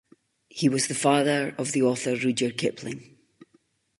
He was the father of the author Rudyard Kipling.